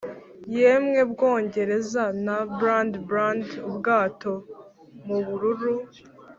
yemwe bwongereza, nta bland-bland-ubwato mubururu,